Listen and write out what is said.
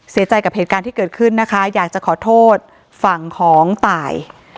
เสียใจกับเหตุการณ์ที่เกิดขึ้นนะคะอยากจะขอโทษฝั่งของตาย